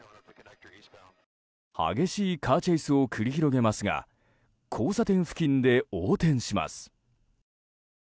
激しいカーチェイスを繰り広げますが交差点付近で横転します。